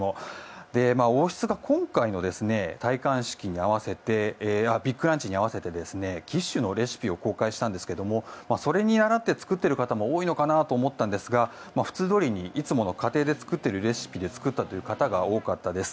王室が今回の戴冠式に合わせてビッグランチに合わせてキッシュのレシピを公開したんですがそれにならって作っている方も多いのかなと思ったんですが普通どおりにいつもの過程で作っているレシピで作ったという方が多かったです。